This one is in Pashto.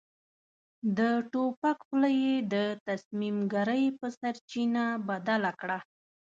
د توپک خوله يې د تصميم ګيرۍ په سرچينه بدله کړه.